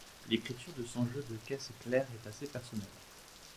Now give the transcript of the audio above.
L'écriture de son jeu de caisse claire est assez personnelle.